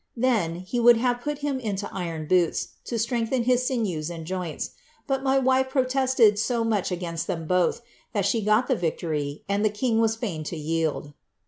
Then, he would have him put iron boots, to strengthen his sinews and joints, but my wife pro [ so much against them both, that she got the victory, and the king ain to yield."